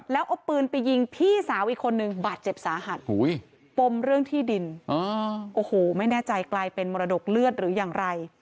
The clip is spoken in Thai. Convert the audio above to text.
แล้วเอาปืนไปยิงพี่สาวอีกคนนึงบาดเจ็บสาหัสปมเรื่องที่ดินโอ้โหไม่แน่ใจกลายเป็นมรดกเลือดหรืออย่างไร